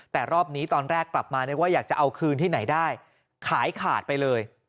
แต่รอบนี้ตอนแรกกลับมานึกว่าอยากจะเอาคืนที่ไหนได้ขายขาดไปเลย